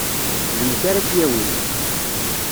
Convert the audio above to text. D nekk ara k-yawin.